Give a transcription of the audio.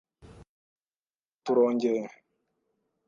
Hano turongeye.